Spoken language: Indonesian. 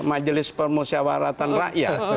majelis pemusyawaratan rakyat